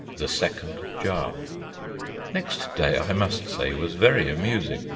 III THE SECOND JAR Next day, I must say, was very amusing.